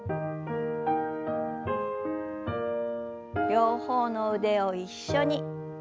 両方の腕を一緒に。